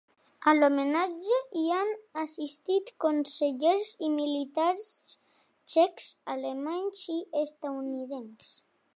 A l’homenatge hi han assistit consellers i militars txecs, alemanys i estatunidencs.